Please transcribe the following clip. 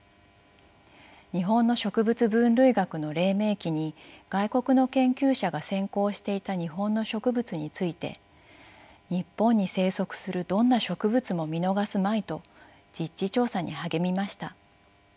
日本の植物分類学の黎明期に外国の研究者が先行していた日本の植物について日本に生息するどんな植物も見逃すまいと実地調査に励みました。